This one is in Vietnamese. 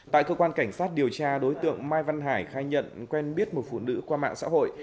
tại cơ quan cảnh sát điều tra đối tượng mai văn hải khai nhận quen biết một phụ nữ qua mạng xã hội